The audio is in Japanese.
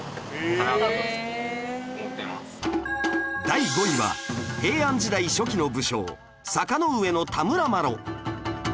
第５位は平安時代初期の武将坂上田村麻呂